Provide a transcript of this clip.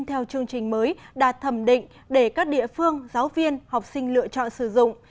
theo chương trình mới đạt thẩm định để các địa phương giáo viên học sinh lựa chọn sử dụng